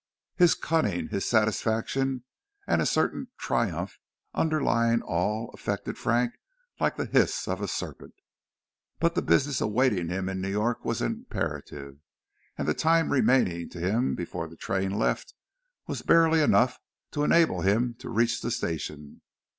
His cunning, his satisfaction, and a certain triumph underlying all, affected Frank like the hiss of a serpent. But the business awaiting him in New York was imperative, and the time remaining to him before the train left was barely enough to enable him to reach the station.